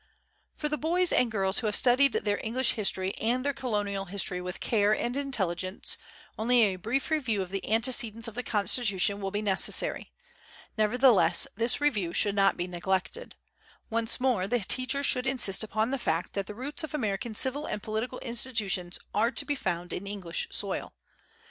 For the boys and girls who have studied their English history and their Colonial history with care and intelligence, only a brief review of the antecedents of the Constitution will be necessary. Nevertheless, this review should not be neglected. Once more the teacher should insist upon the fact that the roots of American civil and political institutions are to be found in English soil.